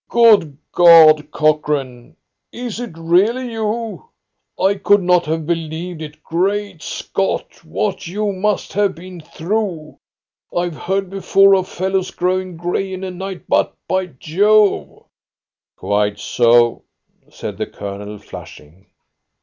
"Good God, Cochrane, is it really you? I could not have believed it. Great Scott, what you must have been through! I've heard before of fellows going grey in a night, but, by Jove " "Quite so," said the Colonel, flushing.